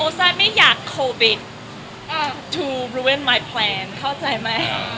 โอเซอร์ไม่อยากโควิดปีที่จะร่วมแผนข้าวใจไหม